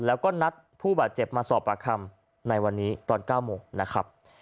แล้วก็นัดผู้บาดเจ็บมาสอบปากคำในวันนี้ตอน๙โมงนะครับ